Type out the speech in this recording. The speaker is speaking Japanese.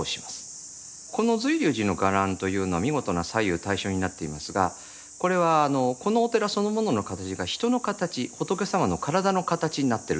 この瑞龍寺の伽藍というのは見事な左右対称になっていますがこれはこのお寺そのものの形が人の形仏様の体の形になってるってことです。